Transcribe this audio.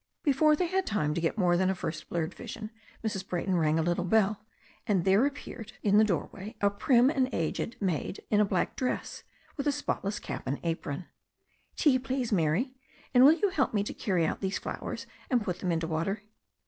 Before they had time to get more than a first blurred vision, Mrs. Brayton rang a little bell, and there appeared 46 THE STORY OF A NEW ZEALAND RIVER in the doorway a prim and aged maid in a black dress, with a spotless cap and apron. "Tea, please, Mary. And will you help me to carry out these flowers and put them into water."